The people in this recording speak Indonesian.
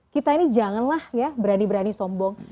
kita ini janganlah ya berani berani sombong